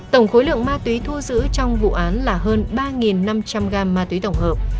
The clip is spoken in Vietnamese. tổng khối lượng ma túy thu giữ trong vụ án là hơn ba năm trăm linh gram ma túy tổng hợp